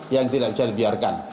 yang tidak bisa dibiarkan